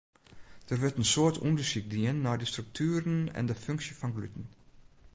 Der wurdt in soad ûndersyk dien nei de struktueren en funksje fan gluten.